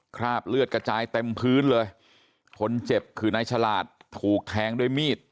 คราบเลือดกระจายเต็มพื้นเลยคนเจ็บคือนายฉลาดถูกแทงด้วยมีด